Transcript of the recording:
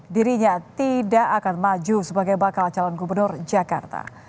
dirinya tidak akan maju sebagai bakal calon gubernur jakarta